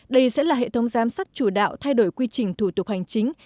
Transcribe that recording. đây sẽ là hệ thống giám sát chủ đạo thay đổi quy trình thủ tục hành chính